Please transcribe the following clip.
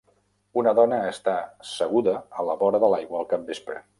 Una dona està seguda a la vora de l'aigua al capvespre.